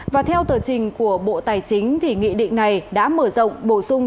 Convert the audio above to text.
và theo tờ trình của bộ tài chính thì nghị định này đã mở rộng bổ sung